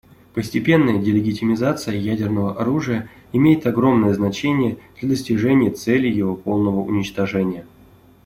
Постепенная «делегитимизация» ядерного оружия имеет огромное значение для достижения цели его полного уничтожения.